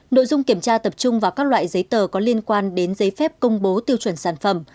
nội dung kiểm tra tập trung vào các loại giấy tờ có liên quan đến giấy phép công bố tiêu chuẩn sản phẩm